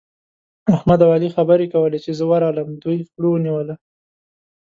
احمد او علي خبرې کولې؛ چې زه ورغلم، دوی خوله ونيوله.